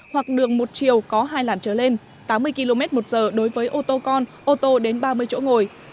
hoặc đường một chiều có hai làn trở lên tám mươi km một giờ đối với ô tô con ô tô đến ba mươi chỗ ngồi